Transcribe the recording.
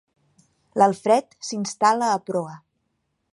L'Alfred s'instal·la a proa.